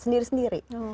punya peta sendiri